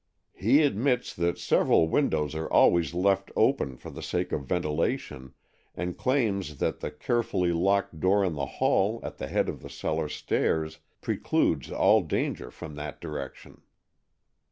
He admits that several windows are always left open for the sake of ventilation, and claims that the carefully locked door in the hall at the head of the cellar stairs precludes all danger from that direction."